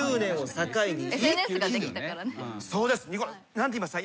何て言いました？